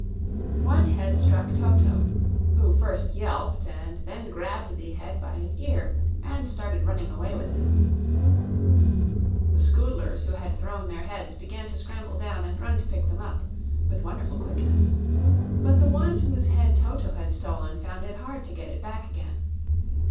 One head struck Toto, who first yelped and then grabbed the head by an ear and started running away with it. The Scoodlers who had thrown their heads began to scramble down and run to pick them up, with wonderful quickness; but the one whose head Toto had stolen found it hard to get it back again.